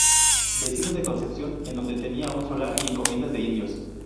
Vecino de Concepción, en donde tenía un solar y encomiendas de indios.